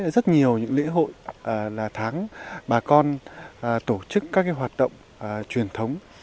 rất nhiều những lễ hội là tháng bà con tổ chức các hoạt động truyền thống